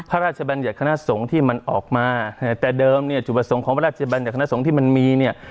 พระราชบัญญัติคณะสงฆ์ที่มันออกมาแต่เดิมเนี่ยจุดประสงค์ของพระราชบัญญัติคณะสงฆ์ที่มันมีเนี่ย